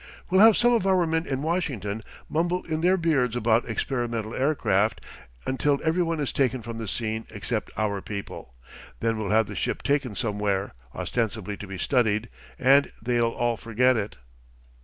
We'll have some of our men in Washington mumble in their beards about experimental aircraft until everyone is taken from the scene except our people. Then we'll have the ship taken somewhere, ostensibly to be studied, and they'll all forget it.